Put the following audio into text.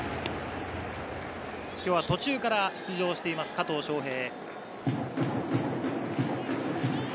今日は途中から出場している加藤翔平。